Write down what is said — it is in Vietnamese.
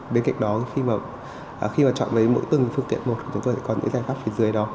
bên cạnh đó khi mà chọn với mỗi từng phương tiện một chúng tôi có những giải pháp phía dưới đó